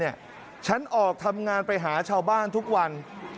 ฉันออกทำงานไปหาชาวบ้านทุกวัน